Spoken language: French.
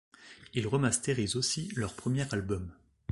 Il remastérise aussi leur premier album.